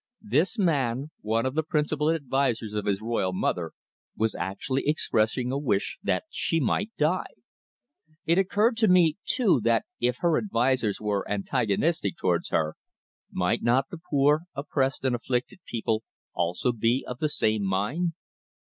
This man, one of the principal advisers of his royal mother, was actually expressing a wish that she might die! It occurred to me, too, that if her advisers were antagonistic towards her, might not the poor, oppressed and afflicted people also be of the same mind?